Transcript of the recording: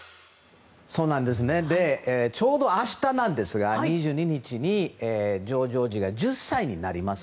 ちょうど明日なんですが２２日にジョージ王子が１０歳になります。